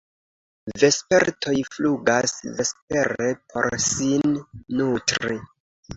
Vespertoj flugas vespere por sin nutri.